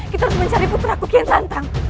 kita harus mencari putraku kian santang